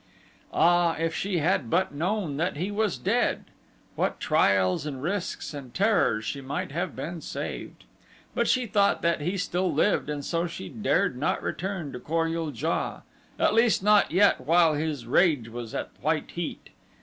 Ah! if she had but known that he was dead! What trials and risks and terrors she might have been saved; but she thought that he still lived and so she dared not return to Kor ul JA. At least not yet while his rage was at white heat.